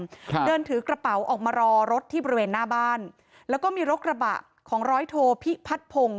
ครับเดินถือกระเป๋าออกมารอรถที่บริเวณหน้าบ้านแล้วก็มีรถกระบะของร้อยโทพิพัดพงศ